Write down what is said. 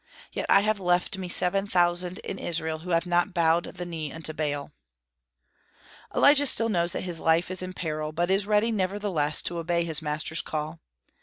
Yet I have left me seven thousand in Israel, who have not bowed the knee unto Baal." Elijah still knows that his life is in peril, but is ready, nevertheless, to obey his master's call.